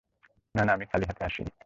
নানা, আমি খালি হাতে আসি নি।